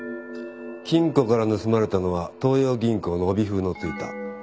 金庫から盗まれたのは東洋銀行の帯封のついた７００万円。